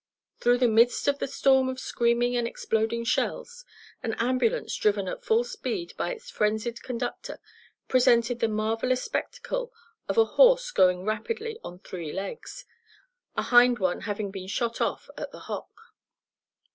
Through the midst of the storm of screaming and exploding shells an ambulance driven at full speed by its frenzied conductor presented the marvelous spectacle of a horse going rapidly on three legs, a hind one had been shot off at the hock.